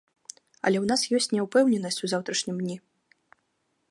Але ў нас ёсць няўпэўненасць у заўтрашнім дні.